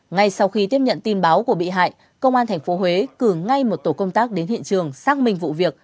ngay sau khi tiếp nhận tin báo của bị hại công an tp huế cử ngay một tổ công tác đến hiện trường xác minh vụ việc